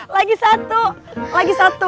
lagi satu lagi satu